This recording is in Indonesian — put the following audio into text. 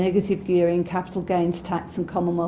untuk penggunaan kapital yang negatif